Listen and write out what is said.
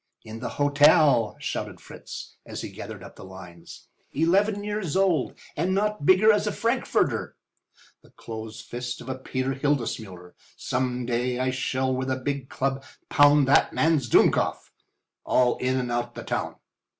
"In the hotel," shouted Fritz, as he gathered up the lines; "eleven years old and not bigger as a frankfurter. The close fist of a Peter Hildesmuller!—some day I shall with a big club pound that man's dummkopf—all in and out the town.